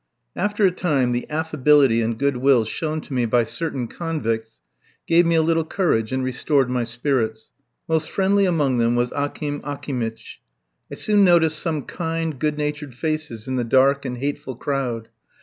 After a time the affability and good will shown to me by certain convicts gave me a little courage, and restored my spirits. Most friendly among them was Akim Akimitch. I soon noticed some kind, good natured faces in the dark and hateful crowd.